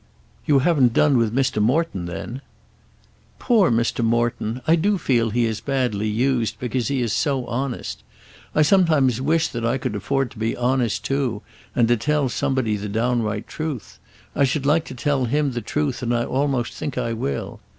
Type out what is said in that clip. "You haven't done with Mr. Morton then?" "Poor Mr. Morton! I do feel he is badly used because he is so honest. I sometimes wish that I could afford to be honest too and to tell somebody the downright truth. I should like to tell him the truth and I almost think I will.